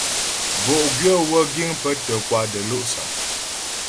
Bo'gwyə̌ wə́ giŋ pə́ tə́ kwà də́lɔ'sâm.